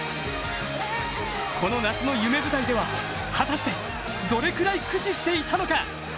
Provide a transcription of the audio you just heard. この夏の夢舞台では果たしてどれくらい駆使していたのか。